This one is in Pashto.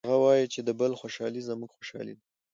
هغه وایي چې د بل خوشحالي زموږ خوشحالي ده